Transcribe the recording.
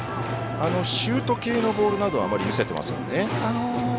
シュート系のボールなどはあまり見せてませんね。